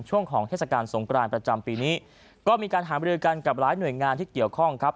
ช่วงของเทศกาลสงกรานประจำปีนี้ก็มีการหาบริกันกับหลายหน่วยงานที่เกี่ยวข้องครับ